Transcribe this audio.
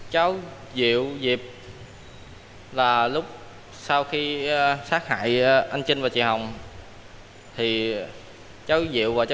tôi không biết